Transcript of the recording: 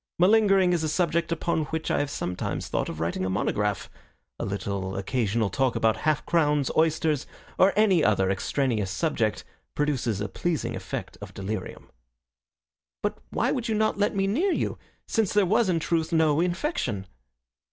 Malingering is a subject upon which I have sometimes thought of writing a monograph. A little occasional talk about half crowns, oysters, or any other extraneous subject produces a pleasing effect of delirium." "But why would you not let me near you, since there was in truth no infection?"